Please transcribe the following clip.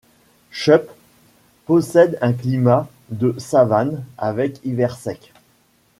Chup possède un climat de savane avec hiver sec.